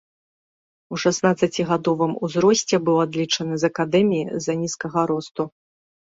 У шаснаццацігадовым узросце быў адлічаны з акадэміі з-за нізкага росту.